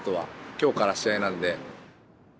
今日から試合なんで。